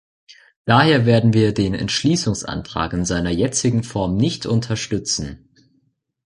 Daher werden wir den Entschließungsantrag in seiner jetzigen Form nicht unterstützen.